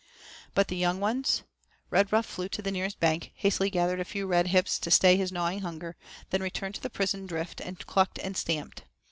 But the young ones! Redruff flew to the nearest bank, hastily gathered a few red hips to stay his gnawing hunger, then returned to the prison drift and clucked and stamped.